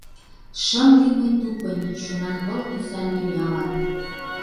Шым лий мый тупынь шонанпыл тӱсан тӱнялан.